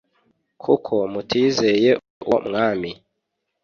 kuko mutizeye uwo mwami